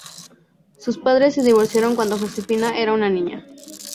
Sus padres se divorciaron cuando Josefina era una niña.